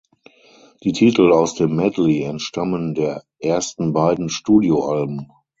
Die Titel aus dem Medley entstammen der ersten beiden Studioalben.